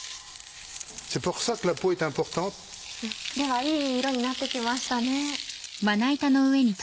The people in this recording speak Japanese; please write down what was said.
いい色になって来ましたね。